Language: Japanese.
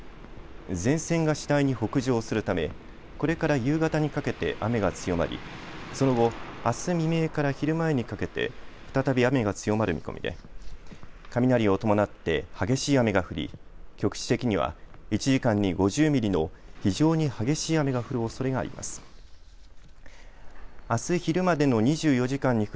前線が次第に北上するためこれから夕方にかけて雨が強まりその後、あす未明から昼前にかけて再び雨が強まる見込みで雷を伴って激しい雨が降り局地的には１時間に５０ミリの非常に激しい雨が降るおそれがあります。